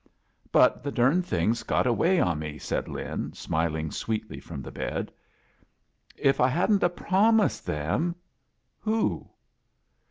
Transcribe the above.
"But the durned thing's got away on me," said Lin, smiling sweetly from the bed. "If I hadn't a promised them —" "Who?"